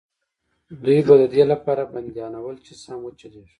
دوی به د دې لپاره بندیانول چې سم وچلېږي.